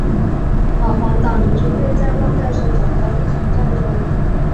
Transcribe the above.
保皇党的军队在旺代省展开一场战争。